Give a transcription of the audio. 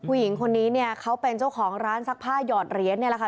ผู้หญิงคนนี้เนี่ยเขาเป็นเจ้าของร้านซักผ้าหยอดเหรียญเนี่ยแหละค่ะ